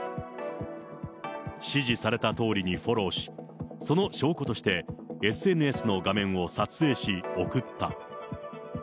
指示されたとおりにフォローし、その証拠として、ＳＮＳの画面を撮影し、送った。